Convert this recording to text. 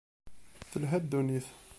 Telha ddunit.